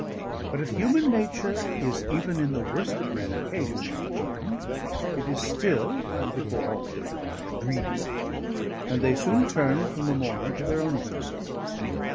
But if human nature is even in the worst of men occasionally kind, it is still, and before all things, greedy; and they soon turned from the mourner to their own concerns.